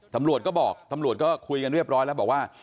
ตำรวจก็บอกตำรวจก็คุยกันเรียบร้อยแล้วบอกว่า